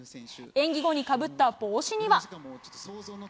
演技後にかぶった帽子には。